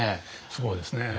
そうですね。